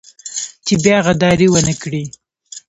چې بيا غداري ونه کړي.